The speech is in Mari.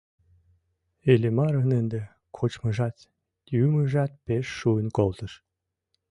Иллимарын ынде кочмыжат, йӱмыжат пеш шуын колтыш.